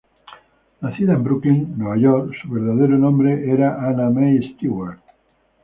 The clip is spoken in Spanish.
Nacida en Brooklyn, Nueva York, su verdadero nombre era Anna May Stewart.